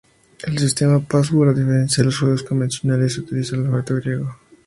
El sistema de password a diferencia de los juegos convencionales utiliza el alfabeto griego.